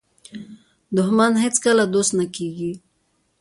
دښمن هیڅکله دوست نه کېږي